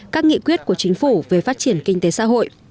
các nghị quyết của chính phủ về phát triển kinh tế xã hội